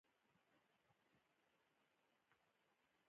تبریوس یاد کس پر ځمکه راچپه او ویې واژه